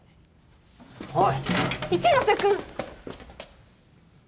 おい一ノ瀬君！